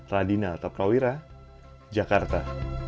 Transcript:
radina ataprawira jakarta